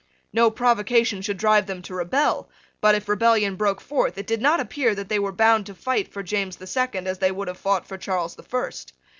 No provocation should drive them to rebel: but, if rebellion broke forth, it did not appear that they were bound to fight for James the Second as they would have fought for Charles the First.